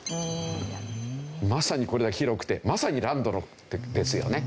まさにこれは広くてまさにランドですよね。